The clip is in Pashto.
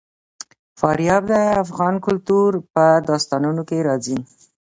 فاریاب د افغان کلتور په داستانونو کې راځي.